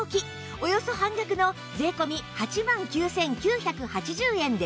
およそ半額の税込８万９９８０円です